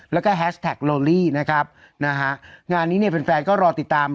แล้วก็แฮชแท็กโลลี่นะครับนะฮะงานนี้เนี่ยแฟนแฟนก็รอติดตาม